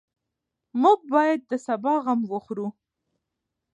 موږ باید د سبا غم وخورو.